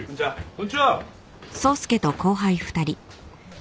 こんにちは。